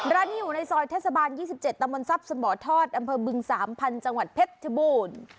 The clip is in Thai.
ร้านนี้อยู่ในซอยทัศบาล๒๗ตมซับสมทอดอำเภอบึง๓พันธุ์จังหวัดเพศบูรณ์